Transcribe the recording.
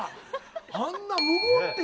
あんな。